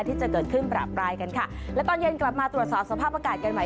ที่จะเกิดขึ้นประปรายกันค่ะและตอนเย็นกลับมาตรวจสอบสภาพอากาศกันใหม่